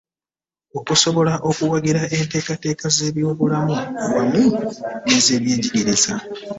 Okusobola okuwagira enteekateeka z'ebyobulamu wamu n'ebyenjigiriza.